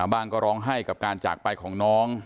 ก็ร้องไห้กับการจากไปของน้อง